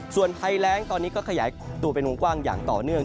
ส่วนภัยแรงตอนนี้ก็ขยายตัวเป็นวงกว้างอย่างต่อเนื่อง